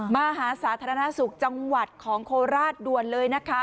มหาสาธารณสุขจังหวัดของโคราชด่วนเลยนะคะ